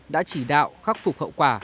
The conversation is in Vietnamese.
đã chỉ đạo khắc phục hậu quả